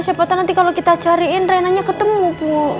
siapa tau nanti kalau kita cariin renna nya ketemu bu